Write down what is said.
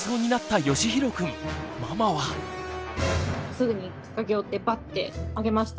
すぐに駆け寄ってバッて上げました。